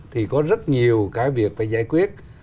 thì có rất nhiều cái việc phải giải quyết